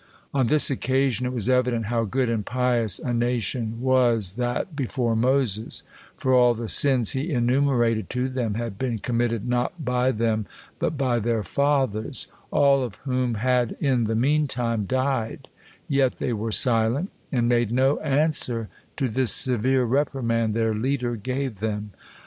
On this occasion it was evident how good and pious a nation was that before Moses, for all the sins he enumerated to them had been committed not by them, but by their fathers, all of whom had in the meantime died, yet they were silent, and made no answer to this severe reprimand their leader gave them.